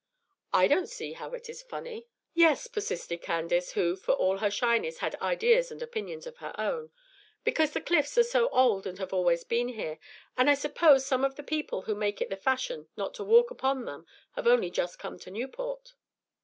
"I don't see how it is funny." "Yes," persisted Candace, who, for all her shyness, had ideas and opinions of her own; "because the Cliffs are so old and have always been here, and I suppose some of the people who make it the fashion not to walk upon them have only just come to Newport."